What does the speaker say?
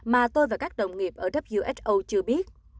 mà tôi và các đồng nghiệp ở wso chưa biết